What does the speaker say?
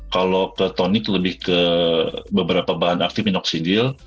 kalau ke tonik lebih ke beberapa bahan aktif inoksidil